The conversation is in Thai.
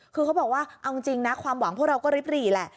คือเขาบอกว่าเอาจริงนะความหวังพวกเราก็ริบหรี่แหละ